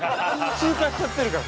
◆通過しちゃってるから。